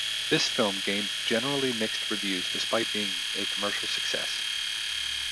This film gained generally mixed reviews despite being a commercial success.